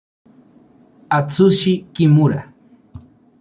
Atsushi Kimura